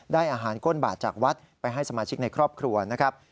ได้อาหารก้นบาทจากวัดไปให้สมาชิกในครอบครัวนะครับ